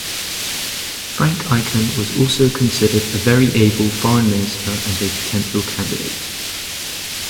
Frank Aiken was also considered a very able Foreign Minister and a potential candidate.